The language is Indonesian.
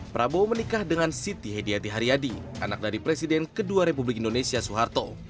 prabowo menikah dengan siti hediati haryadi anak dari presiden kedua republik indonesia soeharto